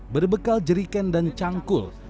berbekal jeriken dan cangkul